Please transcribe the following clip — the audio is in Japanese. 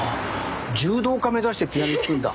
柔道家目指してピアノ弾くんだ！